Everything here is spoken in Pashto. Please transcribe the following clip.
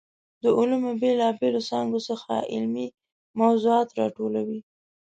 د علومو بېلا بېلو څانګو څخه علمي موضوعات راټولوي.